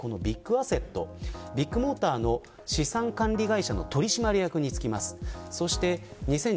２０代前半でビッグアセットビッグモーターの資産管理会社の取締役に就きます。